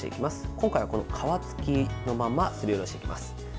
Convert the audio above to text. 今回は皮つきのまますりおろしていきます。